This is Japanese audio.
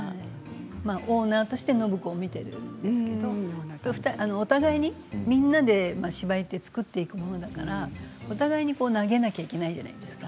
オーナーとして暢子を見ているんですけれどお互いにみんなで芝居は作っていくものだからお互いに投げなければいけないじゃないですか。